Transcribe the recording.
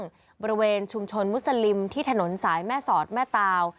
บริเวณชุมชนมุสลิมที่ถนนสายแม่สอดแม่ตาว